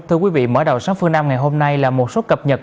thưa quý vị mở đầu sáng phương nam ngày hôm nay là một số cập nhật